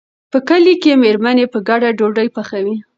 په کلي کې مېرمنې په ګډه ډوډۍ پخوي.